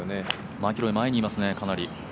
マキロイ、前にいますねかなり。